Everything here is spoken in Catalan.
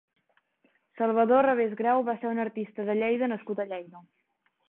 Salvador Revés Grau va ser un artista de Lleida nascut a Lleida.